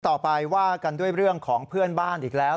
ต่อไปว่ากันด้วยเรื่องของเพื่อนบ้านอีกแล้ว